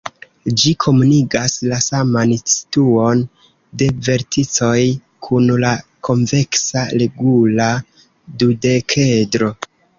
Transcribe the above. Ĝi komunigas la saman situon de verticoj kun la konveksa regula dudekedro.